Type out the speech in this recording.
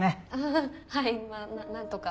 あはいまぁ何とか。